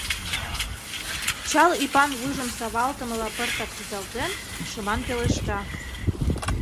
Чал ӱпан вуйжым савалтымыла пыртак рӱзалтен, шыман пелешта: